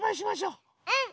うん！